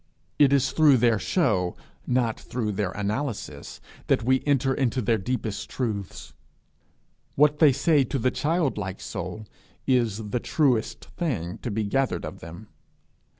It is through their show, not through their analysis, that we enter into their deepest truths. What they say to the childlike soul is the truest thing to be gathered of them.